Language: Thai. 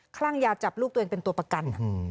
คลั่งยาจับลูกตัวเองเป็นตัวประกัน